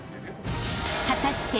［果たして］